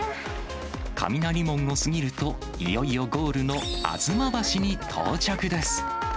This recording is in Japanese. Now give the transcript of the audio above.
雷門を過ぎると、いよいよゴールの吾妻橋に到着です。